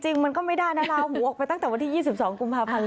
เชิดลาหูออกไปเมื่อที่๒๒กุรพ